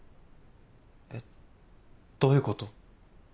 えっどういうこと？